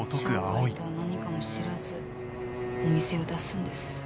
商売とは何かも知らずお店を出すんです。